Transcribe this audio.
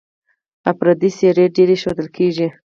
افراطي څېرې ډېرې ښودل کېږي.